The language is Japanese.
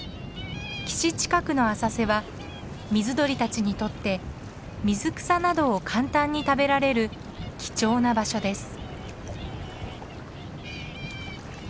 岸近くの浅瀬は水鳥たちにとって水草などを簡単に食べられる貴重な場所です。